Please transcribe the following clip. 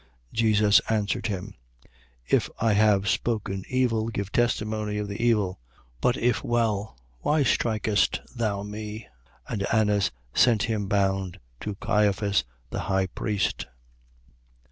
18:23. Jesus answered him: If I have spoken evil, give testimony of the evil; but if well, why strikest thou me? 18:24. And Annas sent him bound to Caiphas the high priest.